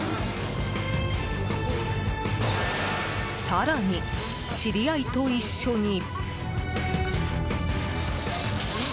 更に、知り合いと一緒に。